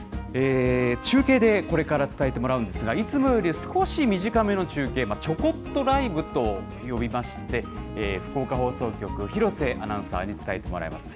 中継でこれから伝えてもらうんですが、いつもより少し短めの中継、ちょこっとＬＩＶＥと呼びまして、福岡放送局、廣瀬アナウンサーに伝えてもらいます。